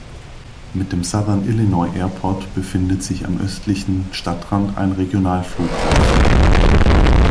Mit dem Southern Illinois Airport befindet sich am östlichen Stadtrand ein Regionalflughafen.